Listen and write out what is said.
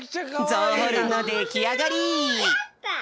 ゾウホルンのできあがり！